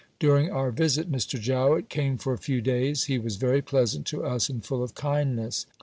During our visit Mr. Jowett came for a few days; he was very pleasant to us and full of kindness.